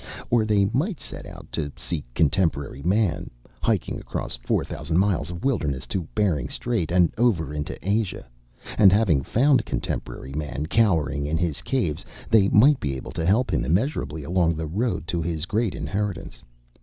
Or they might set out to seek contemporary Man, hiking across four thousand miles of wilderness to Bering Strait and over into Asia. And having found contemporary Man cowering in his caves, they might be able to help him immeasurably along the road to his great inheritance.